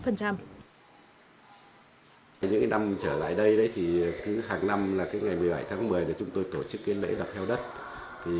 những năm trở lại đây hàng năm ngày một mươi bảy tháng một mươi chúng tôi tổ chức lễ đọc heo đất